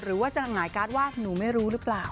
หรือว่าจะหงายการ์ดว่าหนูไม่รู้หรือเปล่า